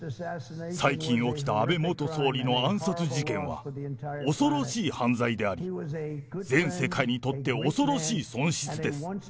最近起きた安倍元総理の暗殺事件は恐ろしい犯罪であり、全世界にとって恐ろしい損失です。